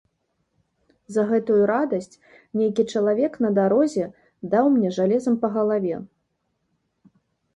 За гэтую радасць нейкі чалавек на дарозе даў мне жалезам па галаве.